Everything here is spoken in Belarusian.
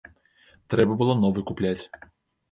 Трэба было новы купляць.